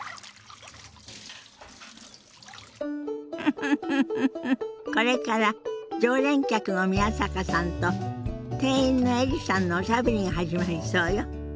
フフフフこれから常連客の宮坂さんと店員のエリさんのおしゃべりが始まりそうよ。